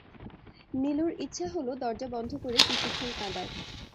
নীলুর ইচ্ছা হলো দরজা বন্ধ করে কিছুক্ষণ কাঁদার।